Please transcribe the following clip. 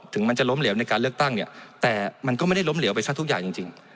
ถึงมันจะล้มเหลวในการเลือกตั้งเนี่ยแต่มันก็ไม่ได้ล้มเหลวไปซะทุกอย่างจริง